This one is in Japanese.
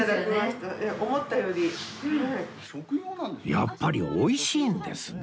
やっぱり美味しいんですね